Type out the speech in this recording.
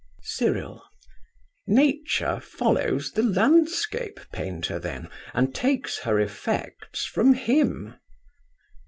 CYRIL. Nature follows the landscape painter, then, and takes her effects from him?